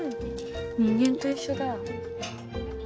人間と一緒だ。